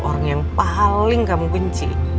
orang yang paling kamu kunci